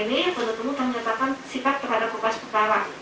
tersangka ah dari security official